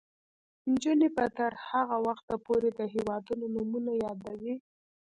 نجونې به تر هغه وخته پورې د هیوادونو نومونه یادوي.